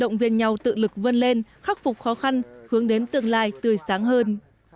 động viên nhau tự lực vươn lên khắc phục khó khăn hướng đến tương lai tươi sáng hơn